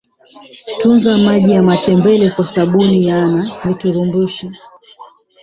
tunza maji ya matembele kwa sababu yana virutubishi